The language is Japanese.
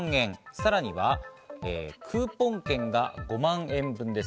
さらにはクーポン券が５万円分です。